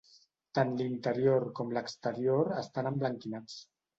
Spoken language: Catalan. Tant l'interior com l'exterior estan emblanquinats.